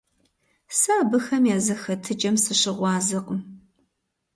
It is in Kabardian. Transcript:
Сэ абыхэм я зэхэтыкӀэм сыщыгъуазэкъым.